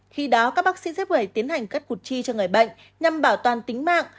khi đó các bác sĩ xếp vẩy tiến hành cắt cụt chi cho người bệnh nhằm bảo toàn tính mạng